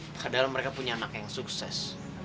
padahal mereka punya anak yang sukses